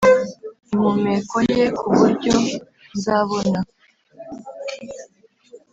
impumeko ye kuburyo nzabona